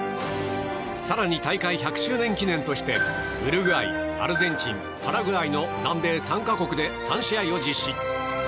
更に、大会１００周年記念としてウルグアイ、アルゼンチンパラグアイの南米３か国で３試合を実施。